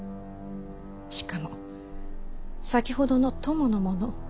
しかも先ほどの供の者